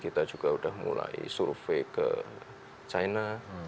kita juga sudah mulai survei ke china